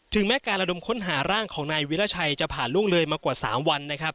แม้การระดมค้นหาร่างของนายวิราชัยจะผ่านล่วงเลยมากว่า๓วันนะครับ